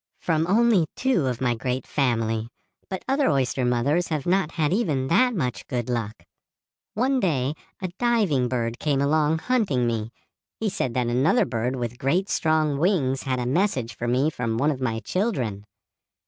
"From only two of my great family, but other oyster mothers have not had even that much good luck. One day a diving bird came along hunting me. He said that another bird with great strong wings had a message for me from one of my children.